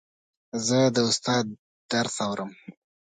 زه د استاد درس اورم.